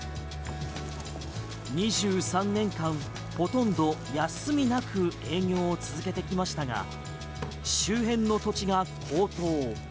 ２３年間ほとんど休みなく営業を続けてきましたが周辺の土地が高騰。